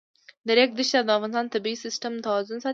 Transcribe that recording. د ریګ دښتې د افغانستان د طبعي سیسټم توازن ساتي.